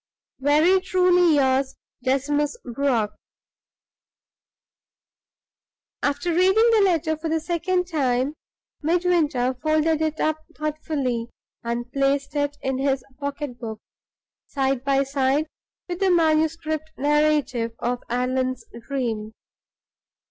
"Very truly yours, DECIMUS BROCK." After reading the letter for the second time, Midwinter folded it up thoughtfully, and placed it in his pocket book, side by side with the manuscript narrative of Allan's dream.